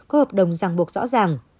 có hợp đồng ràng buộc rõ ràng